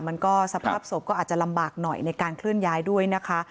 สภาพศพก็อาจจะลำบากหน่อยในการเคลื่อนย้ายด้วยนะคะ